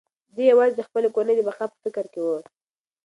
دی یوازې د خپلې کورنۍ د بقا په فکر کې و.